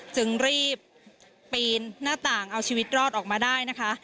จึงรีบปีนหน้าต่างเอาชีวิตรอดออกมาได้นะคะ